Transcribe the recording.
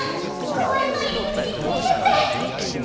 公園の入り口に連れてって！